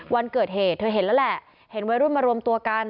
วันเกิดเหตุเธอเห็นแล้วแหละเห็นวัยรุ่นมารวมตัวกัน